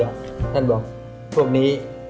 แล้วก็เล่นวันอาทิตย์